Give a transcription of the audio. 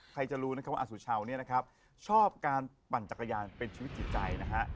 ใครจะรู้นะครับว่าอสุชาวเนี่ยนะครับชอบการปั่นจักรยานเป็นชีวิตจิตใจนะฮะ